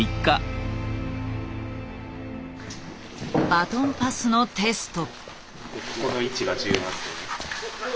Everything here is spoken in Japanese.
バトンパスのテスト。